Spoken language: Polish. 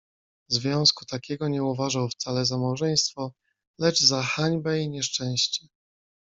"Związku takiego nie uważał wcale za małżeństwo, lecz za hańbę i nieszczęście."